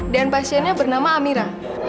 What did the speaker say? dan pasiennya bernama amira